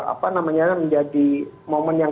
apa namanya menjadi momen yang